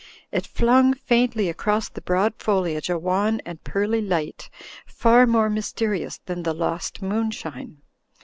It flung faintly across the broad foli age a wan and pearly light far more mysterious than the lost moonshine.